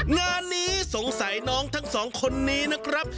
งานนี้สงสัยน้องทั้งสองคนนี้นะครับ